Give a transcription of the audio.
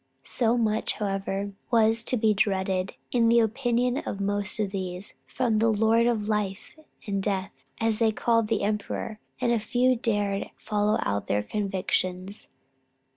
So much however was to be dreaded, in the opinion of most of these, from the "lord of life and death," as they called the emperor, that few dared follow out their convictions.